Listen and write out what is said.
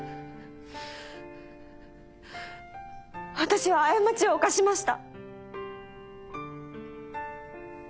私は過ちを犯しました。